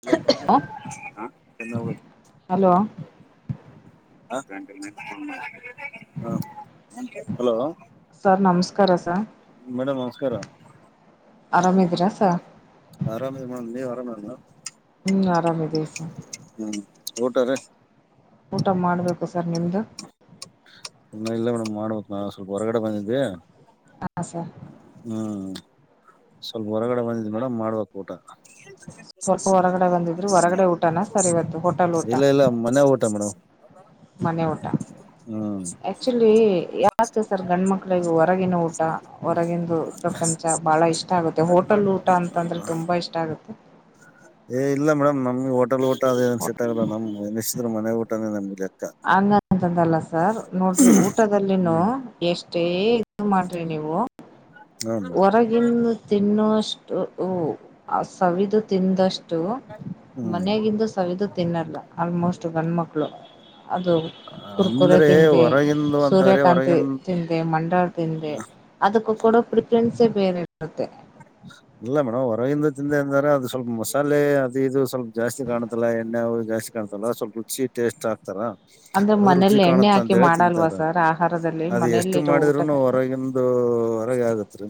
ಎಲ್ಲ hello hello [unintelligible] [unintelligible] ಹ hello sir ನಮಸ್ಕಾರ ಸರ್ ಮೇಡಮ್ ನಮಸ್ಕಾರ. ಆರಾಮ ಇದೀರಾ ಸರ್ ಆರಾಮೇ ಮ್ ನೀವ ಆರಾಮ ಹ್ಮ್ ಆರಾಮ ಇದ್ದಿವಿ ಸರ್ ಹ್ಮ್ ಊಟ ರಿ ಊಟ ಮಾಡ್ಬೇಕು ಸರ್ ನಿಮ್ದು ಇಲ್ಲ ಇಲ್ಲ ಮೇಡಮ್ ಮಾಡ್ಬೇಕ ನಾ ಸ್ವಲ್ಪ ಹೊರಗಡೆ ಬಂದಿದೇವೆ ಅ ಸರ್ ಹ್ಮ್ ಸ್ವಲ್ಪ ಹೊರಗಡೆ ಬಂದಿದೇ ಮೇಡಮ ಮಾಡ್ಬೇಕಕ್ ಊಟ ಸ್ವಲ್ಪ ಹೊರಗಡೆ ಬಂದಿದ್ರರು ಹ್ಮ್ ಹೊರಗಡೆ ಊಟನ ಸರಿಯತು ಹೋಟೆಲ್ ಊಟ ಇಲ್ಲ ಇಲ್ಲ ಮನೆ ಊಟ ಮೇಡಂ ಮನೆ ಊಟ. ಹ್ಮ್ ಆಕ್ಚುಲಿ ಯಾಕೆ ಸರ್ ಗಂಡು ಮಕ್ಳಿಗೆ ಹೊರಗಿನ ಊಟ ಹೊರಗಂದು ಪ್ರಪಂಚ ಬಹಳ ಇಷ್ಟ ಆಗುತ್ತೆ ಹೋಟಲ್ ಊಟ ಅಂತಂದ್ರೆ ತುಂಬಾ ಇಷ್ಟ ಆಗುತ್ತೆ. ಏ ಇಲ್ಲ ಮೇಡಮ್ ನಮ್ಗೆ ಹೋಟೆಲ್ ಊಟ ಅದ ಏನ್ ಸೆಟ್ ಆಗಲ್ಲ ನಮ್ ನಿಶ್ಚ ಮನೆ ಊಟ ಪಟ್ಟ ತಮ್ಮಲೆಕ್ಕಾ ಹಂಗಂತಂದಲ್ಲ ಸರ್ ನೋಡ್ರಿ ಊಟದಲ್ಲಿನು ಹ್ಮ್ ಎಷ್ಟೇ ಇ ಮಾಡ್ರಿ ನೀವು ಹೌ ಹೊರಗೆ ತಿನ್ನುವಷ್ಟು ಸವಿದು ತಿಂದಷ್ಟು ಹ್ಮ್ ಮನೆಗಿಂದು ಸವಿದು ತಿನ್ನಲ್ಲ ಆಲ್ಮೋಸ್ಟ್ ಗಂಡ ಮಕ್ಳು ಅದು ಕುರ್ಕುರೆ ಅಂದ್ರೆ ತಿಿಂದೆ ಹೊರಗಿಂದು ಅಂತಂದ್ರೆ ಸೂರ್ಯಕಾಂತ ಹೊರಗಿನ್ ತಿಿಂದ ಮಂಡಳ ತಿಿಂದೆ ಅದಕ್ಕ ಕೊಡೋ ಪ್ರಿಫರೆನ್ಸೇ ಬೇರೆ ಇರುತ್ತೆ ಇಲ್ಲ ಮೇಡಮ್ ಹೊರಗಿಂದ ತಿಂದ ಅಂದ್ರ ಅದು ಸ್ವಲ್ಪ ಮಸಾಲೆ ಅದು ಇದು ಸ್ವಲ್ಪ ಜಾಸ್ತಿ ಕಾಣುತ್ತಲ್ಲ ಎಣ್ಣೆವು ಜಾಸ್ತಿ ಂತಲ್ಲ ಸ್ವಲ್ಪ ರುಚಿ ಟೇಸ್ಟ್ ಆಗ್ತಾರ ಅಂದ್ರೆ ಅದು ರುಚಿ ಮನೇಲಿ ಎಣ್ಣೆ ಕಾಣುತ್ತ ಹಾಕಿ ಅಂತೇಳಿ ಮಾಡಲ್ವಾ ತಿಂತಾರ ಸರ್ ಆಹಾರದಲ್ಲಿ ಅದ ಎಷ್ಟು ಮನೆಯಲ್ಲಿರೋ ಮಾಡಿದ್ರುನು ಊಟದಲ್ಲಿ ಹೊರಗಿನ ಅದು ಹೊರಗೆ ಆಗತ್ ರರಿ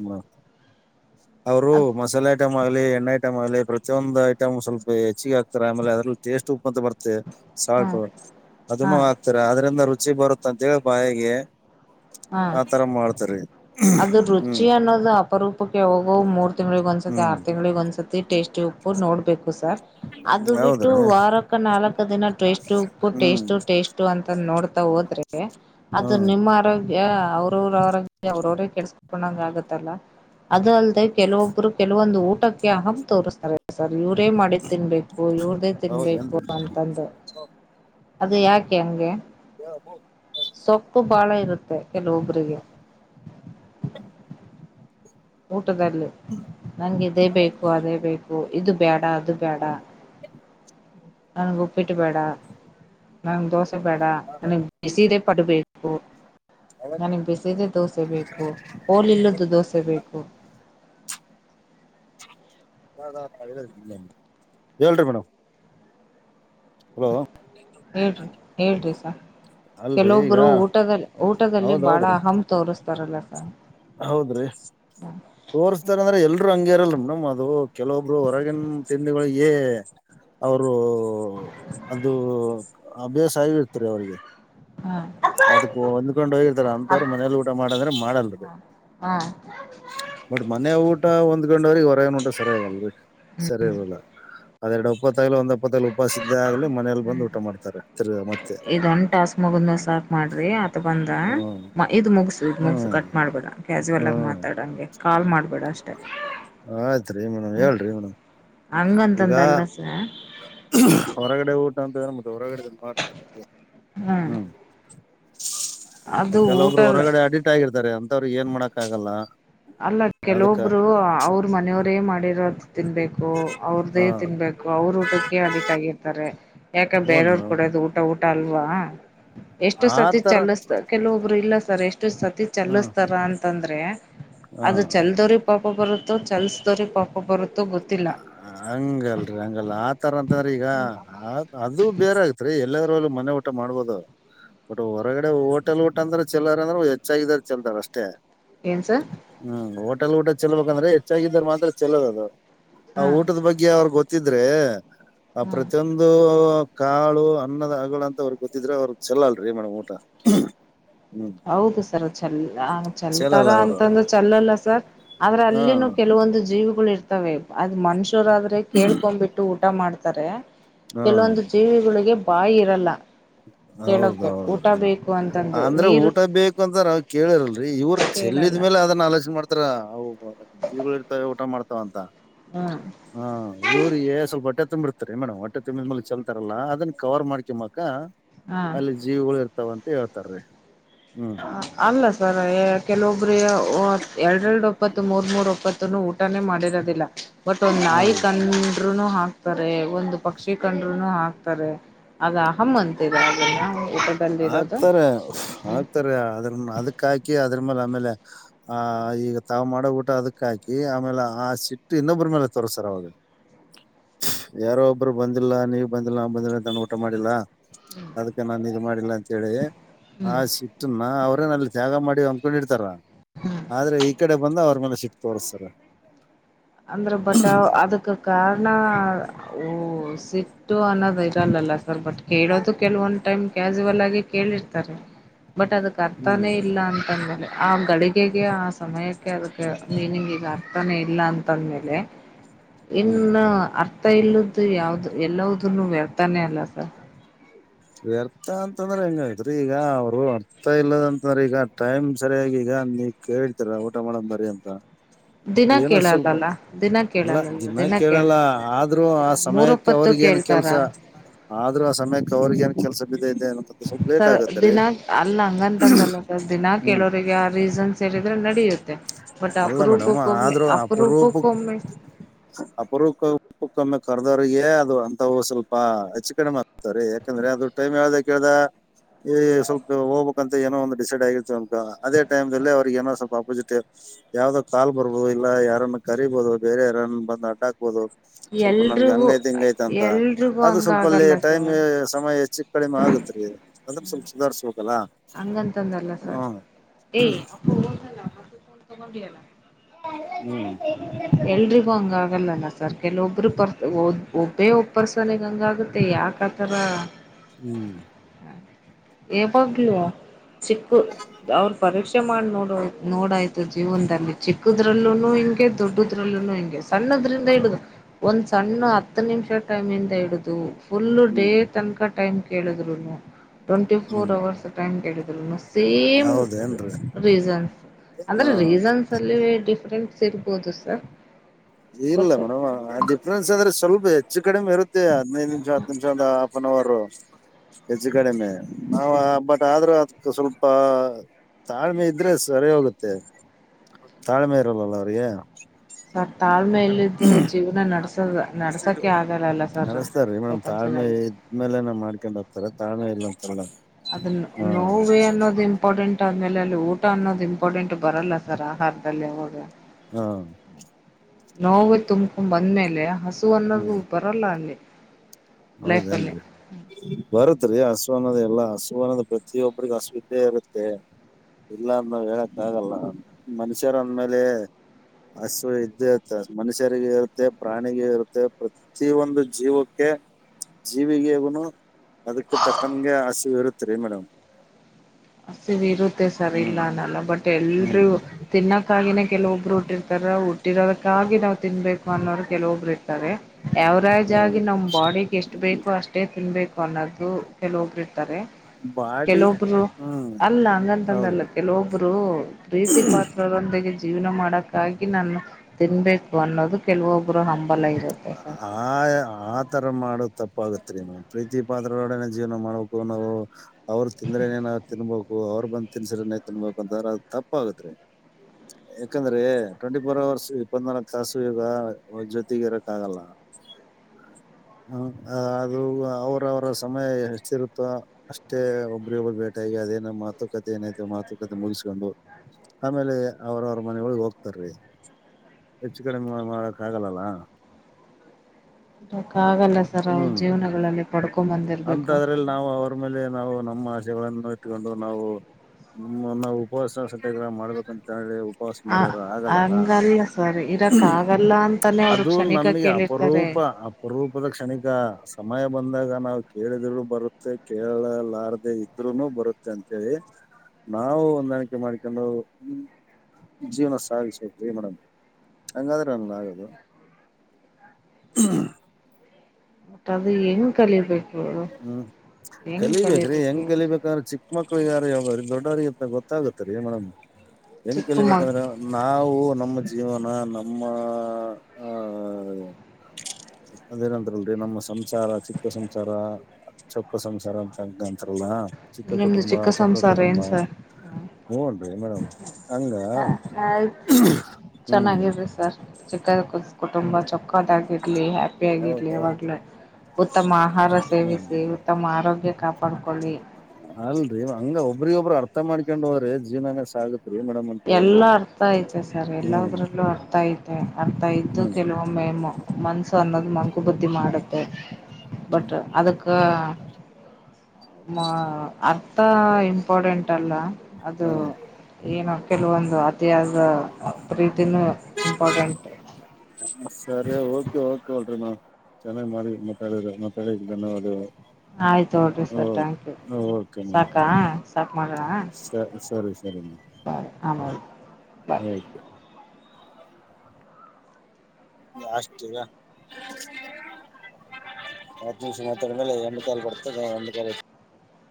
ಅವರು ಅದ್ ಮಸಾಲೆ ಐಟಮ್ ಆಗ್ಲಿ ಎಣ್ಣ ಐಟಮ್ ಆಲಿ ಪ್ರತೊಂದು ಐಟ್ ಸ್ವಲ್ಪ ಹೆಚ್ಚಿಗೆ ಹ ಆಕ್ತಾರೆ ಆಮೇಲೆ ಅದ್ರಲ್ಲಿ ಟೇಸ್ಟ್ ಉಪ್ು ಬರ್ತದೆ ಹಾ ಸಾಲ್ಟು ಹಾ ಅದನ್ನು ಹಾಕ್ತಾರೆ ಅದ್ರಿಂದ ರುಚಿ ಬರುತ್ತ ಅಂತೇಳಿ ಬಾಯಿಗೆ ಹಾ ಆತರ ಮಾಡ್ತರಿ ಹ್ಮ್ ದಾ [inaudible] ಉಪ್ಪರ ಉಪ್ಪಕ್ಕೆ ಹೋಗು ಮೂರು ತಿಂಗಳಿಗೆ ಒಂದ್ಸತಿ ಹ್ಮ್ ಆರು ತಿಂ್ಗಳಿಗೆ ಒಂದು್ಸತಿ ಟೇಸ್ಟಿ ಉಪ್ಪು ನೋಡಬೇಕು ಸರ್ ಅದು ಬಿಟ್ಟು ಹೌದ್ರಿ ವಾರಕ್ಕ ನಾಲ್ಕ ದಿನ ಟೇಸ್ಟ್ ಉಪ್ಪು ಹ್ಮ್ ಟೇಸ್ಟ್ ಟೇಸ್ಟ್ ಅಂತ ನೋಡ್ತಾ ಹೋದ್ರೆ ಅದು ಹ್ಮ್ ನಿಮ್ಮ ಆರೋಗ್ಯ ಅವ್ರವ್ರ ಅವ್ರ ಅವ್ರವ್ರೇ ಕೆಲ್ಸಕೊಂಡಂಗ ಆಗತ್ತಲ್ಲ ಅದ ಅಲ್ದೆ ಕೆಲವೊಬ್ರು ಕೆಲವೊಂದು ಊಟಕ್ಕೆ ಅಹಬ್ ತೋರಿಸ್ತಾರೆ ಸರ್ ಇವರೇ ಮಾಡಿ್ ತಿನ್ಬೇಕು ಇವ್ರದೇ ತಿನ್ಬೇಕು ಹೌದೇನ್ರಿ ಅಂತಂದು ಅದು ಯಾಕೆ ಹಂಗೆ ಯ ಸೊಪ್ಪು ಬಾಳ ಇರುತ್ತೆ ಕೆಲವೊಬರಿಗೆ ಊಟದಲ್ಲಿ ನಂಗೆ ಇದೇ ಬೇಕು ಅದೇ ಬೇಕು ಇದು ಬೇಡ ಅ ಬೇಡ ನನ್ ಉಪ್ಪಿಟ್ಟ ಬೇಡ ನಂ ದೋಸೆ ಬೇಡ ನನಗ್ ಬಿಸಿದೇ ಪಡಬೇಕು ನನಗ್ ಬಿಸಿದ ದೋಸೆ ಬೇಕು ಹೋಲ್ ಇಲ್ಲ್ದ ದೋಸೆ ಬೇಕು ಹ ಹೇಳ್ರರಿ ಮೇಡಮ್ ಹಲೋ ಹೇಳ್ರಿ ಹೇಳ್ರಿ ಸ ಅಲ್ರರಿ ಈಗ ಕೆಲವೊಬ್ಬರು ಊಟದಲ್ಲಿ ಬಾಳ ಹೌದೌದ್ರಿ ಅಹಂ್ ತೋರಿಸ್ತಾರಲ್ಲ ಸ ಹೌದ್ರಿ ತೋರ್ಸ್ತಾರಂದ್ರ ಎಲ್ರು ಹಂಗೇರಲ್ ಮಡಮ್ ಅದು ಕೆಲವೊಬ್ರು ಹೊರಗಿನ ತಿಂಡಿಗಳಗೇ ಅವರು ಅದು ಅಭ್ಯಾಸ ಆಗಿರ್ತಾರೆ ಅವ್ರಿಗೆ ಹಾ ಅದಕ್ ಹೊಂದ್ಕೊಂಡ್ ಹೋಗಿರ್ತಾರ ಅಂಂತವ್ರ ಹಾ ಮನೇಲಿ ಊಟ ಮಾಡಂದ್ರೆ ಮಾಡಲ್ರಿ ಬಟ್ ಮನೆಯ ಊಟ ಹೊಂದ್ಕೊಂಡವ್ರಿಗೆ ಹೊರಗನ್ ಊಟ ಸರಿಯ ಆಗಲ್ರರಿ ಹ್ಮ್ ಸರಿ ಇವಲ್ಲ ಅದೆರಡು ಹಪ್ಪತ್ತಾಗಲಿ ಒಂದ್ಪ್ಪೈ ಉಪಾಸ ಇದ್ದ ಆಗ್ಲಿ ಮನೇಲಿ ಬಂದು ಊಟ ಮಾಡ್ತಾರೆ ತಿರ್ಗ ಮತ್ತೆ ಇದು ಉಂಟ ಮಗಂದು ಸ ಮಾಡ್ರಿ ಆಥ ಬಂದ ಹ್ಮ್ ಇದ್ ಮುಗಸು ಇದ್ ಮುಗಸು ಹ್ಮ್ ಕಟ್ ಮಾಡ್ಬೇಡ ಕ್ಯಾಾಸುವಲ್ ಆಗಿ ಹ್ಮ್ ಮಾತಾಡಂಗೆ ಕಾಲ್ ಮಾಡ್ಬೇಡ ಅಷ್ಟೆ ಆಯ್ತ್ ರೀ ಮೇಡ್ ಹೇಳ್ರಿ ಮೇಡ್ ಈಗ ಹಂಗಂತಂದಲ್ಲ ಸ ಹೊರಗಡೆ ಊಟ ಅಂತ ಮತ್ತೆ ಹೊರಗಡೆ ಮಾಡ್ತಾರ ಹ್ಮ ಹ್ಮ್ ಕೆಲವೊಬ್ರು ಊಟದ ಹೊರಗಡೆ ಅಡಿಕ್ಟ್ ಆಗಿರ್ತಾರೆ ಅಂತವ್ರಿಗೆ ಏನ್ ಮಾಡಕ್ಕ ಆಗಲ್ಲ. ಅಲ್ಲ ಅದಕ್ಕ ಕೆಲವೊಬ್ರು ಅವ್ರ ಮನೆಯವರೇ ಮಾಡಿರೋದು ತಿನ್ಬೇಕು ಹ ಅವ್ರದ್ದೇ ತಿನ್ಬೇಕು ಅವ್ರ ಊಟಕ್ಕೆ ಅಡಿಟ್ ಆಗಿರ್ತಾರೆ ಯಾಕ ಹನ್ ಬೇರೆಯವರು ಮೇಡಮ್ ಕೊಡಾದು ಊ ಊಟ ಊಟ ಅಲ್ವಾ ಎಷ್ಟು ಸತಿ ಆತರ ಚಲಿಸತದ ಕೆಲವೊಬ್ರು ಇಲ್ಲ ಸರ್ ಎಷ್ಟು ಸತಿ ಹ ಚಲಸ್ತದ ಅಂತಂದ್ರೆ ಹ ಅದು ಚಲ್ದವ್ರ ಪಾಪ ಬರುತ್ತೋ ಚಲ್ಸ್ದವ್ರ ಪಾಪ ಬರುತ್ತೋ ಗೊತ್ತಿಲ್ಲ. ಹಂಗಲ್ರಿ ಹಂಗಲ್ಲ ಅಂತರದೋರು ಈಗ ಅ ಅದು ಬೇರೆ ಆಗ್ತ್ರಿ ಎಲ್ಲರಲ್ಲೂ ಮನೆ ಊಟ ಮಾಡ್ಬೋದು ಬಟ್ ಹೊರಗಡೆ ಹೋಟೆಲ್ ಊಟಲ್ ಅಂದ್ರೆ ಚಲರ್ ಅಂದ್ರರು ಹೆಚ್ಚಾಗಾರ ಚಲದರ್ ಅಷ್ಟೇ ಏನ್ ಸರ್ ಹ್ಮ್ ಹೋಟೆಲ್ ಊಟಲ ಚೆಲ್ಬೇಕಂದ್ರೆ ಹೆಚ್ಚಾಗಿದ್ದರು ಮಾತ್ರ ಚೆಲೋದು. ಆ ಹಾ ಊಟದ ಬಗ್ಗೆ ಅವ್ರ ಗೊತ್ತಿದ್ರೆ ಆ ಹ್ಮ್ ಪ್ರತಿಯೊಂದು. ಕಾಳು ಅನ್ನದ ಅಗಲ ಅಂತ ಅವ್ರಗ್ ಗೊತ್ತಿದ್ರೆ ಅವ್ರಗ್ ಚೆಲ್ಲಲ್ರೀ ಮೇಡಮ್ ಊಟ ಹ್ಮ್ ಹೌದು ಸರ್ ಚಲ್ ಚಲ್ತಾರ ಚೆಲ್ಲಲ್ಲ ಅವರು ಅಂತಂದ್ರೆ ಚೆಲ್ಲಲ್ಲ ಸರ್ ಆದ್ರ ಹಾ ಅಲ್ಲಿನೂ ಕೆಲವೊಂದು ಜೀವಿಗಳು ಇರ್ತವೆ ಅದ್ ಮನುಷ್ಯರಾದ್ರೆ ಕೇಳ್ಕೊಂಡ ಬಿಟ್ಟ. ಊಟ ಮಾಡ್ತಾರೆ ಹಾ ಕೆಲವೊಂದು ಜೀವಿಗಳಿಗೆ ಬಾಯಿ ಇರಲ್ಲ. ಹೌದ ಕೇಳೋಕೆ ಹೌದ ಊಟ ಬೇಕು ಅಂತಂದು ಅಂದ್ರೆ ನೀರು ಊಟ ಬೇಕು [unintelligible] ಕೇಳಿರಲ್ರರಿ ಇವರ ಚೆಲ್ಲಿದ ಕೇಳಲ್ಲ ಮೇಲ ಅದನ್ನ ಅಲೆಕ್ಷನ್ ಮಾಡ್ತಾರ ಜೀಗಳು ಇರ್ತಾವ ಊಟ ಮಾಡ್ತಾವಂತ ಹ್ಮ ಹಾ ಇವ್ರಗೆ ಸ್ವಲ್ಪ ಹೊಟ್ಟೆ ತುಂಬಿರುತ್ತೆ ಮೇಡಮ್ ಹೊಟ್ಟೆ ತುಂಬಿದ್ಮೇಲೆ ಚಲತಾರಲ್ಲ ಅದನ್ನ ಕವರ್ ಮಾಡ್ಕೊಮ್ಮಕ್ ಹಾ ಅಲ್ಲಿ ಜೀವಿಗಳು ಇರ್ತಾವಂತ ಹೇಳ್ತಾರೀ ಹ್ಮ್ ಅಲ್ಲ ಸರ್ ಕೆಲವೊಬ್ಬರು ಎರಡೆ ಎರಡು ಒಪ್ಪತ್ತು ಮೂರ್ ಮೂರು ಒಪ್ಪತ್ತು ಮಾಡಿರೋದಿಲ್ಲ ಬಟ್ ಹ್ಮ ನಾಯಿಕ್ ಕರು ಹಾಕ್ತಾರೆ ಒಂದು ಪಕ್ಷಿ ಕಂಡರುನು ಹಾಕ್ತಾರೆ ಅದ ಅಹಮ್ಮ್ ಅಂತಿದೆ ಅದನ್ನ [unintelligible] ಹಾಕ್ತಾರೆ ಹಾಕ್ತಾರೆ ಅದ್ರ ಅದಕ್ ಹಾಕಿ ಅದ್ರ ಮೇಲೆ ಆಮೇಲೆ ಆ ಈಗ ತಾವ್ ಮಾಡೋ ಊಟ ಅದಕ್ ಹಾಕಿ ಆಮೇಲೆ ಆ ಸಿಟ್ಟು ಇನ್ನೊಬ್ಬರ ಮೇಲೆ ತೋರಿಸ್ತಾರ್ ಅವಾಗ ಯಾರೋ ಒಬ್ರು ಬಂದಿಲ್ಲ ನೀವ ಬಂದಿಲ್ಲ ನ ಬಂದಿಲ್ಲಂತಾನು ಊಟ ಮಾಡಿಲ್ಲ. ಅದಕ್ಕೆ ನಾನು ಈಗ ಮಾಡ ಇಲ್ಲ ಅಂತೇಳಿ ಆ ಹ್ಮ್ ಸಿಟ್ಟನ್ನ ಅವ್ರೇನ ಅಲ್ಲಿ ತ್ಯಾಗ ಮಾಡಿ ಅಂದ್ಕೊಂಡಿರ್ತಾರ ಆದ್ರೆ ಈ ಕಡೆ ಬಂದು ಅವ್ರ ಮೇಲೆ ಸಿಟ್ ತೋರಿಸ್ತಾರ ಅಂದ್ರ ಬಟ್ ಅದಕ್ ಕಾರಣ ಓಹ ಸಿಟ್ಟು ಅನ್ನೋದ ಇರಲ್ಲಲ್ಲ ಸರ್ ಬಟ್ ಕೇಳೋದು ಕೆಲವೊಂದ್ ಟೈಮ್ ಕ್ಯಾಸುವಲ್ ಆಗಿ. ಕೇಳಿರ್ತಾರೆ ಬಟ್ ಅದಕ್ ಹ್ಮ್ ಅರ್ಥಾನೇ ಇಲ್ಲ ಅಂತಂದ್ಮೇಲೆ ಆ ಗಳಿಗೆ- ಗೆ ಆ ಸಮಯಕ್ಕೆ ಅದಕ್ಕೆ ಮೀನಿಂಗ್ ಈಗ ಅರ್ಥನೇ ಇಲ್ಲ ಅಂತಂದ್ಮೇಲೆ. ಹ್ಮ್ ಇನ್ನು ಅರ್ಥ ಇಲ್ಲದು ಯಾವ್ದ ಎಲ್ಲದನು ವ್ಯರ್ತನೆ ಅಲ್ಲ ಸರ್. ವ್ಯರ್ಥ ಅಂತಂದ್ರೆ ಹೆಂಗಾಗುತ್ತೆರೆ ಈಗ ಅವರು ಅರ್ಥ ಇಲ್ಲದಂತಂದ್ರ ಈಗ ಟೈಮ್ ಸರಿಯಾಗಿ ಈಗ ನೀ ಕೇಳುತ್ತೀರಾ ಊಟ ಮಾಡಾಮೀ ಬರೀ ಅಂತ ದಿನ ಏನ ಸ್ವಲ್ಪ ಕೇಳಲ್ಲಲ್ಲ ದಿನ ಅಲ್ಲ ಕೇಳಲ್ಲಲ್ಲ ದಿನ ಕೇಳಲ್ಲ ಕೇಳ್ತಾರ ಆದ್ರೂ ಆ ದಿನ ಸಮಯಕ್ಕೆ. ಮೂರೊಪ್ಪತ್ತು ಅವ್ರಿಗ ಏನ್ ಕೆಲ್ಸ ಕೇಳ್ತಾರ ಆದ್ರೂ ಆ ಸಮಯಕ್ಕೆ ಅವ್ರಿಗ ಏನ್ ಕೆಲ್ಸ ಬಿದ್ದ ಇದೆ ಇರುತ್. ಸರ್ ದಿನಾಕ್ ಅಲ್ಲ ಹಂಗಂತಂದಲ್ಲ ಸರ್ ದಿನಾಕ್ ಹ್ಮ್ ಕೇಳೋರಿಗೆ ಆ ರೀಸನ್ ಸೇರಿದ್ರೆ ನಡೆಯುತ್ತೆ ಬಟ್ ಅಲ್ಲ ಅಪರೂಪಕ್ಕೊಮ್ಮೆ ಅಪರೂಪಕ್ಕೊಮ್ಮೆ ಅಪರೂ ಉಕ್ಕಮ್ಮಿ ಕರ್ದವ್ರಿಗೆ ಅದು ಅಂತವು ಸ್ವಲ್ಪ ಹೆಚ್ಚು ಕಡೆ ಸರಿ ಯಾಕಂದ್ರೆ ಅದು ಟೈಮ್ ಯಾವ್ದ ಕೇಳ್ದ ಈ ಸ್ವಲ್ಪ ಹೋಗ್ಬೇಕಕ್ ಅಂತ ಏನೋ ಒಂದು ಡಿಸೈಡ್ ಆಗಿರ್ತವನ ಅದ ಟೈಮ್ ದಲ್ಲಿ ಅವ್ರಗ ಏನೋ ಸ್ವಲ್ಪ ಅಪೋಸಿಟ್ ಯಾವ್ದೋ ಕಾಲ್ ಬರ್ಬಹುದು ಇಲ್ಲ ಯಾರನ್ನ ಕರಿೀಬಹುದು ಬೇರೆ ಯಾರನ್ನ ಬಂದ ಅಡ್ಡ ಹಬಹದು ಸ್ವಲ್ಪ ನಮ್ಗೆ ಎಲ್ರಿಗೂ ಹಂಗೈತಿ ಹಿಂಗ ಐತ ಅಂತ ಎಲ್ರಿಗೂ ಅದು ಹಂಗ ಸ್ವಲ್ಪ ಅಲ್ಲಿ ಆಗಲ್ಲ ಟೈಮ್ ಸರ್ ಸಮಯ ಹೆಚ್ಚಿ ಕಡಿಮೆ ಆಗತ್ ರೀ ಅದನ್ನ ಸ್ವಲ್ಪ ಸುಧಾರ್ಿಸಬೇಕಲ್ಲಾ ಹಂಗಂತಂದಲ್ಲ ಸರ್ ಏ ತಲ್ಲ ಮ ತಗೊಂಡೊಂಡ ಎಲ್ಲ ಹ್ಮ್ ಎಲ್ರಿಗೂ ಹಂಗ ಆಗಲ್ಲಲ್ಲ ಸರ್ ಕೆಲವೊಬ್ರು ಪರ್ತ ಒಬ್ಬೇ ಒಬ್ಬ ಉಪ್ಪರ್ಸನೆಗೆ ಹಂಗಾಗುತ್ತೆ ಯಾಕ ಆಥರ ಹ್ಮ್ ಯಾವಾಗ್ಲುೂ ಚಿಕ್ಕು ಅವ್ರ ಪರೀಕ್ಷೆ ಮಾಡಿ ನೋಡ ನೋಡಾಯ್ತು ಜೀವನದಲ್ಲಿ ಚಿಕ್ಕ ದ್ರಲ್ಲೂ ಹಿಂಗೆ ದೊಡ್ಡದ್ರಲ್ಲೂನು ಹಿಂಗೆ ಸಣ್ಣದ್ರಿಂದ ಇಡುದುು ಒಂದ್ ಸಣ್ಣ ಹತ್ತು ನಿಮಿಷ ಟೈಮ್ಿಂದ ಹಿಡು ಫುಲ್ು ಡೇ ಹ್ಮ್ ತನಕ ಟೈಮ್ ಕೇಳಿದ್ರು ಟ್ವೆಂಟಿ ಫೋರ್ ಹ್ಮ್ ಅವರ್ಸ್ ಟೈಮ್ ಕೇಳಿದ್ರು ಸೇಮ್ ಹೌದೇನ್ರಿ ರೀಸನ್ಸ್ ಅಂದ್ರೆ ಹ್ಮ್ ರೀಸನ್ಸ್ ಸಲ್ಲಿ ಡಿಫ್ರೆಂಟ್ಸ್ ಇರ್ಬೋದು ಸರ್ ಇಲ್ಲ ಬಟ್ ಮೇಡಮ ಅ ಇನ್ಸ್ ಅಂದ್ರೆ ಸ್ವಲ್ಪ ಹೆಚ್ಚು ಕಡಿಮೆ ಇರುತ್ತೆ ಹದಿನೈದು ನಿಮಿಷ ಹತ್ತು ನಿಮಿಷ ಹ ಆಫ್ ಅನ್ ಅವರ್ ಹೆಚ್ಚು ಕಡಿಮೆ ನ ಬಟ್ ಆದ್ರೂ ಅದ್ಕ್ ಸ್ವಲ್ಪ ತಾಳ್ಮೆ ಇದ್ರೆ ಸರಿ ಹೋಗುತ್ತೆ ತಾಳ್ಮೆ ಇರಲ್ಲಲ್ಲ ಅವ್ರಿಗೆ ಸರ್ ತಾಳ್ಮೇಲಿದ್ದು ಜೀವನ ನಡ್ಸದ ನಡ್ಸಕೆ ಆಗಲ್ಲಲ್ಲ ಸರ್ ನಡೆಸ್ತಾರೀ ಮೇಡಮ್ ತಾಳ್ಮೆ ಪ್ರಪಂಚದಲ್ಲಿ ಇದ್ಮೇಲೆ ನ ಮಾಡ್ಕೊಂಡ್ ಹಕ್ತಾರ ತಾಳ್ಮೆ ಇಲ್ಲ ಅಂತಲ್ಲ ಅದ ಹಾ ನೋವೇ ಅನ್ನೋದ ಇಂಪಾರ್ಟೆಂಟ್ ಆದ್ಮೇಲೆ ಅಲ್ಲಿ ಊಟ ಅನ್ನೋದು ಇಂಪಾರ್ಟೆಂಟ್ ಬರಲ್ಲ ಸರ್ ಆಹಾರದಲ್ಲಿ ಯಾವಾಗ ಹಾ ನೋವು ತುಂಬ್ಕೊ ಬಂದ್ಮೇಲೆ ಹಸು ಅನ್ನೋದು ಹ್ಮ್ ಬರಲ್ಲ ಅಲ್ಲಿ ಲೈಫಲ್ಲಿ ಹೌದೇನ್ರಿ ಬರುತ್ರಿ ಹಸು ಅನ್ನೋದು ಎಲ್ಲಾ ಹಸು ಅನ್ನೋದು ಪ್ರತಿಯೊಬ್ಬ್ರಗ್ ಹಸು ಇದಿದ್ದೇ ಇರುತ್ತೆ ಇಲ್ಲ ಅಂದ ಹೇಳಕ್ ಆಗಲ್ಲ ಮನುಷ್ಯರ ಅಂದ್ಮೇಲೆ ಹಸು ಇದ್ದೇ ಆತ್ತ ಮನುಷ್ಯರಿಗೆ ಇರುತ್ತೆ ಪ್ರಾಣಿಗೆ ಇರುತ್ತೆ ಪ್ರ ಪ್ರತಿ ಒಂದು ಜೀವಕ್ಕೆ ಜೀವಿಗೆಗುನು ಅದಕ್ ತಕ್ಕನ್ಗೆ ಹಸಿವ ಇರುತ್ತರಿ ಮೇಡಮ್ ಹ ಸ ಇರುತ್ತೆ ಸರಿ ಇಲ್ಲ ಹ್ಮ್ ಅನ್ನಲ್ಲ ಬಟ್ ಎಲ್ರಿ ಹ್ಮ್ ತಿನ್ನಕ್ ಕ್ಕಾಗಿನೇ ಕೆಲವೊಬ್ಬರು ಹುಟ್ಟಿರ್ತಾರ ಹುಟ್ಟಿರೋದಕ್ಕಾಗಿ ನಾವು ತಿನ್ಬೇಕು ಅನ್ನೋರು ಕೆಲವೊಬ್ರು ಇರ್ತಾರೆ ಯವರೇಜ್ ಹ್ಮ್ ಆಗಿ ನಮ್ ಬಾಡಿಗೆ ಎಷ್ಟು ಬೇಕೋ ಅಷ್ಟೇ ತಿನ್ಬೇಕು ಅನ್ನೋದು ಕೆಲವೊಬರು ಬಾಡಿ ಕೆಲವೊಬ್ರು ಹ್ಮ್ ಅಲ್ಲ ಹಂಗಂತಂದಲ್ಲ ಹೌದ್ರಿ ಕೆಲವೊಬ್ರು ಪ್ರೀತಿ ಪಾತ್ರರೊಂದಿಗೆ ಜೀವನ ಮಾಡಕ್ಕಾಗಿ ನಾನು ತಿನ್ಬೇಕು ಅನ್ನೋದು ಕೆಲವೊಬ್ಬರು ಹಂಬಲ ಇರುತ್ತೆ ಹ ಸರ್ ಹ ಆ ಆ ತರ ಮಾಡೋ ತಪ್ಪಾಗತ್ ನ ಪ್ರೀತಿ ಪಾತ್ರದೊಡನೆ ಜೀವನ ಮಾಡ್ಕು ನಾವು ಅವ್ರರು ತಿಂದ್ರೆನೇನ ತಿನ್ಬೇಕು ಅವ್ರರು ಬಂದ ತಿನ್ಸ್ರನೇ ತಿನ್ಬೇಕು ಅಂತ್ರ ಅದು ತಪ್ಪ ಆಗತ್ ರೀ ಯಾಕಂದ್ರೆ ಟ್ವೆಂಟಿ ಫೋರ್ ಅವರ್ಸ್ ಇಪ್ಪತ್ನಾಾಲ್ಕು ತಾಸು ಈಗ ಜೊತೆಗೆ ರಕ್ತ ಆಗಲ್ಲ ಹ್ಮ ಅದು ಅವ್ರವರ ಸಮಯ ಎಷ್ಟಿರುತ್ತ ಅಷ್ಟೇ ಒಬ್ಬ್ರಗ ಒಬ್ರು ಬೇಟ ಆಗಿ ಅದೇನೋ ಮಾತುಕತೆ ಏನಾಯ್ತು ಮಾತುಕತೆ ಮುಗಿಸ್ಕೊಂಡು ಆಮೇಲೆ ಅವ್ರವ್ರ ಮನೆೊಳಗ್ ಹೋಗ್ತಾರೀ ಹೆಚ್ಚು ಕಡೆ ಮಾಡಕ್ ಆಗಲ್ಲಲ್ಲ ಕ್ಕ ಆಗಲ್ಲ ಸರ್ ಅವವು ಜೀವನಗಳಲ್ಲಿ ಪಡ್ಕೊಂಬಂದ ಅಂತ ಅದ್ರಲ್ಲಿ ನಾವು ಅವ್ರ ಮೇಲೆ ನಾವು ನಮ್ಮ ಆಶೆಗಳನ್ನು ಇಟ್ಕೊಂಡು ನಾವು ನಮ್ಮ ನ ಉಪವಾಸನಾ ಸತ್ಯಾಗ್ರಹ ಮಾಡ್ಬೇಕಂತ ಹೇಳಿ ಪೋಸ್ಟ್ ಆ ಮಾಡಿರ ಆಗಲ್ಲಲ್ಲ ಹಂಗಲ್ಲ ಸರ್ ಇರಕ್ ಆಗಲ್ಲ ಅಂತಾನೇ ಅವರು ಅದು ಕ್ಷಣಿಕ ನಮಗೆ ಕೇಳಿರ್ತಾರೆ ಅಪರೂಪ ಪ್ರರೂಪದ ಕ್ಷಣಿಕ ಸಮಯ ಬಂದಾಗ ನಾವು ಕೇಳಿದ್ರು ಬರುತ್ತೆ ಕೇಳಲಾರ್ದ ಇದ್ರುನು ಬರುತ್ತೆ ಅಂತೇಳಿ ನಾವು ಹೊಂದಾಣಿಕೆ ಮಾಡ್ಕೊಂಡ ಜೀವನ ಸಾಗಿಸೀ ಮೇಡಮ್ ಹಂಗಾದ್ರೆ ಅನ ಆಗದು ಹ್ಮ ಬಟ್ ಅದು ಹೆಂಗ್ ಕಲಿಬೇಕು ಹ್ಮ್ ಹೆಂಗ್ ಕಲಿಬೇಕ್ರಿ ಕಲಿಬೇಕು ಹೆಂಗ್ ಹೇಳ್ರಿ ಕಲಿಬೇಕಂದ್ರೆ ಚಿಕ್ಕ ಮಿಕ್ಕ ಮಕ್ಳಿಗೆ ಯಾರು ಯಾವ ದೊಡ್ಡವಿಗೆಂತ ಗೊತ್ತಾಗುತ್ತ ರೀ ಮೇಡಮ್ ಹೆಂಗ್ ಚಿಕ್ಕ ಮಗ ಕಲಿಬೇಕಂದ್ರ ನಾವು ನಮ್ಮ ಜೀವನ ನಮ್ಮ ಅ ಹ ಅದೇನಂತಲ್ರಿ ನಮ್ಮ ಸಂಸಾರ ಚಿಕ್ಕ ಸಂಸ ಸಂಸಾರ ಚೊಕ್ಕ ಸಂಸಾರ ಅಂತಂತ್ರಲ್ಲ ಚಿಕ್ಕ ನಿಮ್ದು ಕುಟುಂಬ ಚಿಕ್ಕ ಚೊಕ್ಕ ಸಂಸಾರ ಕುಟುಂಬ ಏನ್ ಸರ್ ಹ್ನ್ ರೀ ಮೇಡ್ ಹ ಆಯ್ತ್ ಹ್ಮ್ ಚೆನ್ನಾಗಿದ್ರಿ ಸರ್ ಚಿಕ್ಕ ಕುಟುಂಬ ಚೊಕ್ಕ ಹಕ್ಕೋದಾಗಿರ್ಲಿ ಹ್ಯಾಪಿ ಆಗಿರ್ಲಿ ಹೌದೌದು ಅವಾಗ್ಲ ಉತ್ತಮ ಆಹಾರ ಹ್ಮ್ ಸೇವಿಸಿ ತಮ್ಮ ಆರೋಗ್ಯ ಕಾಪಾಡ್ಕೊಳ್ಳಿ ಅಲ್ರರಿ ಹಂಗ ಒಬ್ರಗ ಒಬ್ರು ಅರ್ಥ ಮಾಡ್ಕೊಂಡ್ ಹೋರಿ ಜವನೇ ಸಾಗುತ್ತ ಎಲ್ಲ ಅರ್ಥ ಐತೆ ಸರ್ ಹ್ಮ್ ಎಲ್ಲದ್ರಲ್ಲೂ ಅರ್ಥ ಐತೆ ಅರ್ಥ ಇದ್ದು ಹ್ಮ್ ಕೆಲವೊಮ್ಮೆಮ ಮನ್ಸು ಅನ್ನೋದು ಮನ್ಕು ಬದ್ಧಿ ಮಾಡತ್ತೆ ಬಟ್ ಅದಕ್ ಈ ಮ ಅರ್ಥ ಇಂಪಾರ್ಟೆಂಟ್ ಅಲ್ಲ ಅದು ಹಾ ಏನು ಕೆಲವೊಂದು ಅತಿಯಾದ ರೀತಿನೂ ಇಂಪಾರ್ಟೆಂಟ್ ಸರಿ ಓಕೆ ಓಕೆ ಹೋಲ್ರಿ ಮಾಮ್ ಚೆನ್ನಾಗ್ ಮಾಡಿ ಮಾತಾಡ ಮಾತಾಡ ಧನ್ಯವಾದ ಆಯ್ತು ಹೋ್ರಿ ಸರ್ ಟ್ಯಾಂಕ್ ಓಕೆ ಮೇಡಮ್ ಸಾಕ ಸಾಕ ಮಾಡಣ ಸರಿ ಸರಿ ಸರಿ್ ಬ ಆಮದು ಹ್ಮ ಜಾಸ್ತಿಗ ಹತ್ತು ನಿಮಷ ಮಾತಾಡಿದ್ಮೇಲೆ ಎಮ ಕಾಯಲ್ ಬಡ್ತದೆ ಒ ಕಾಲ ಇ